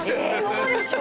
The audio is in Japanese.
嘘でしょ！